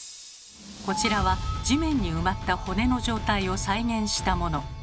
こちらは地面に埋まった骨の状態を再現したもの。